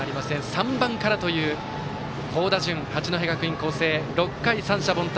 ３番からという好打順八戸学院光星、６回、三者凡退。